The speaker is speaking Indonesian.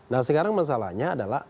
nah sekarang masalahnya adalah